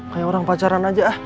kayak orang pacaran aja ah